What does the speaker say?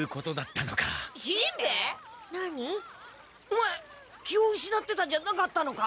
オマエ気をうしなってたんじゃなかったのか？